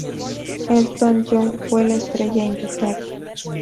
Elton John fue la estrella invitada.